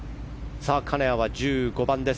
金谷は１５番です。